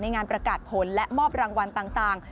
งานประกาศผลและมอบรางวัลต่าง